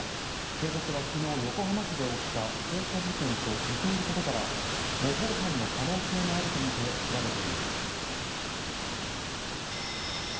警察はきのう横浜市で起きた放火事件と似ていることから、模倣犯の可能性もあると見て調べています。